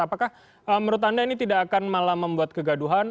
apakah menurut anda ini tidak akan malah membuat kegaduhan